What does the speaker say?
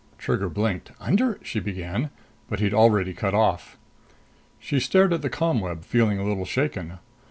Trigger blinked. "Under " she began. But he'd already cut off. She stared at the ComWeb, feeling a little shaken.